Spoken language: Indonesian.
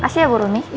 masih ya bu rony